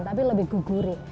tapi lebih guguri